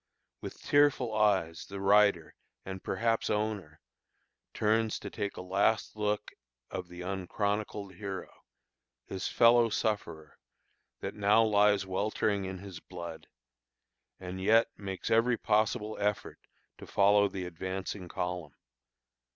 With tearful eyes the rider and perhaps owner turns to take a last look of the "unchronicled hero," his fellow sufferer, that now lies weltering in his blood, and yet makes every possible effort to follow the advancing column.